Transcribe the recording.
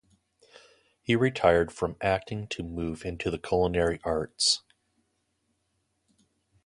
He retired from acting to move into the culinary arts.